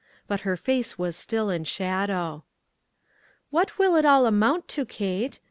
But her face was still in shadow. "What will it all amount to, Kate?